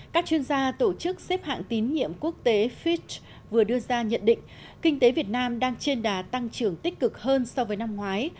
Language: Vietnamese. các chuyên gia tổ chức xếp hạng tín nhiệm quốc tế fit vừa đưa ra nhận định kinh tế việt nam đang trên đà tăng trưởng tích cực hơn so với năm ngoái